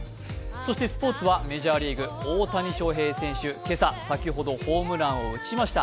そしてスポーツはメジャーリーグ大谷翔平選手、今朝先ほど、ホームランを打ちました。